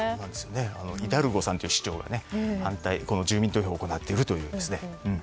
イダルゴさんという市長が住民投票を行っていると。